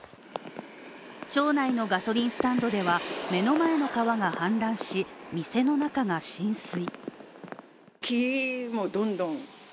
町内のガソリンスタンドでは、目の前の川が氾濫し、店の中が浸水。